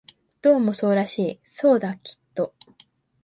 どうもそうらしい、そうだ、きっと